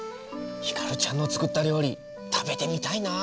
ヒカルちゃんの作った料理食べてみたいなあ。